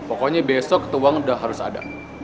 pokoknya besok itu uang udah harus ada